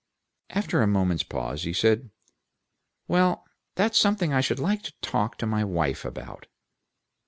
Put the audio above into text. After a moment's pause, he said, "Well! That's something I should like to talk with my wife about."